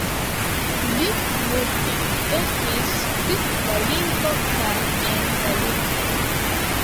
Li multe verkis pri la lingvo kaj en la lingvo.